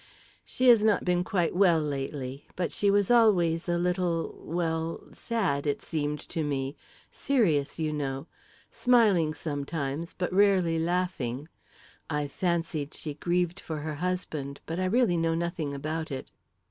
"She has not been quite well lately; but she was always a little well sad, it seemed to me; serious, you know; smiling sometimes, but rarely laughing. I've fancied she grieved for her husband; but I really know nothing about it."